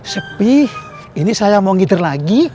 sepih ini saya mau ngitar lagi